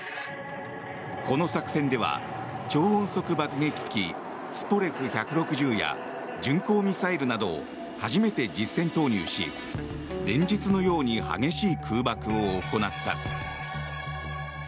この作戦では超音速爆撃機ツポレフ１６０や巡航ミサイルなどを初めて実戦投入し連日のように激しい空爆を行った。